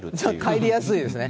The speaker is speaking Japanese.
帰りやすいですね。